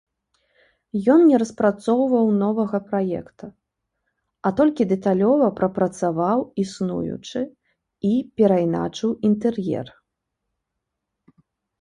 Ён не распрацоўваў новага праекта, а толькі дэталёва прапрацаваў існуючы і перайначыў інтэр'ер.